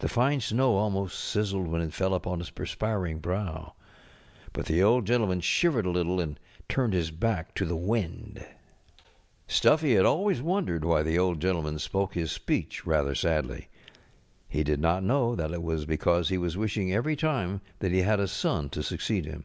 The fine snow almost sizzled when it fell upon his perspir┬¼ ing brow. But the Old Gentleman shivered a little and turned his back to the wind. Stuffy had always wondered why the Old Gentleman I Two Thanksgiving Day Gentlemen 55 spoke his speech rather sadly. He did not know that it was because he was wishing eVery time that he had a son to succeed him.